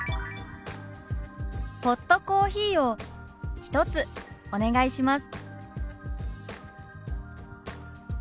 「ホットコーヒーを１つお願いします」。